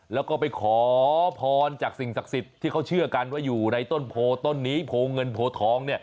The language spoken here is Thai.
แล้วก็ไปขอพรจากสิ่งศักดิ์สิทธิ์ที่เขาเชื่อกันว่าอยู่ในต้นโพต้นนี้โพเงินโพทอง